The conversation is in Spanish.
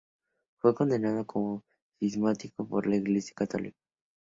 Fue condenado como cismático por la Iglesia católica.